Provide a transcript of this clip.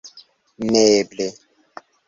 Neeble!